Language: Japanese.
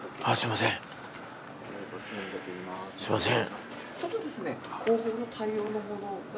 すみません。